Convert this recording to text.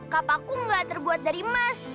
kapakku gak terbuat dari emas